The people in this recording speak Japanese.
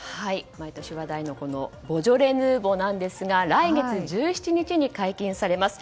毎年話題のボジョレ・ヌーボーですが来月１７日に解禁されます。